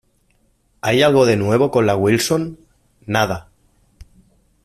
¿ hay algo de nuevo con la Wilson? nada.